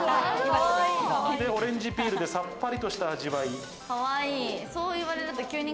オレンジピールでさっぱりとした味わい。